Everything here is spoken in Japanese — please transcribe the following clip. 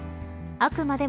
あくまで